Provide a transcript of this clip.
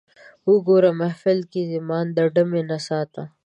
وګوره محفل کې د مانده ډمې نڅا ته